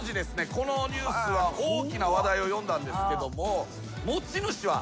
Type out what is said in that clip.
このニュースは大きな話題を呼んだんですけども。